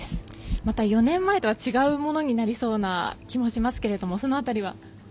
また４年前とは違うものになりそうな気もしますけれどもその辺りは？